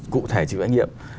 cụ thể chịu án nhiệm